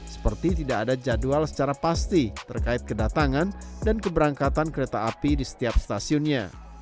seperti tidak ada jadwal secara pasti terkait kedatangan dan keberangkatan kereta api di setiap stasiunnya